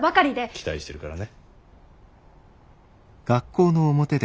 期待してるからね。